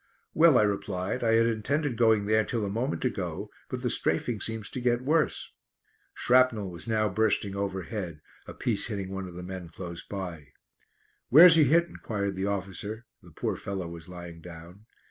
"Well," I replied, "I had intended going there till a moment ago, but the strafing seems to get worse." Shrapnel was now bursting overhead, a piece hitting one of the men close by. "Where's he hit?" enquired the officer. The poor fellow was lying down.